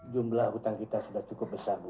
jumlah hutang kita sudah cukup besar bu